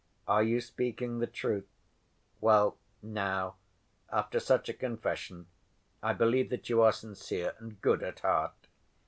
"Are you speaking the truth? Well, now, after such a confession, I believe that you are sincere and good at heart.